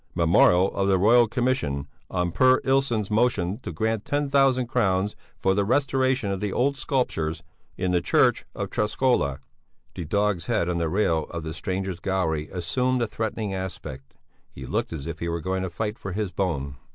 Memorial of the Royal Commission on Per Ilsson's motion to grant ten thousand crowns for the restoration of the old sculptures in the church of Träskola." The dog's head on the rail of the strangers' gallery assumed a threatening aspect; he looked as if he were going to fight for his bone.